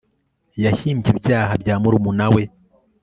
yahimbye ibyaha bya murumuna we